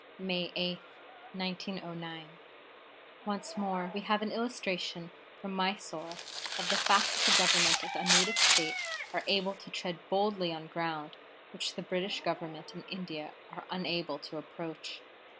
'" May 8, 1909. "Once more we have an illustration from Mysore of the fact that the Government of a Native State are able to tread boldly on ground which the British Government in India are unable to approach.